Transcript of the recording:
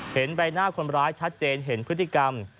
เห็นใบหน้าคนร้ายชัดเจนเห็นพฤติกรรม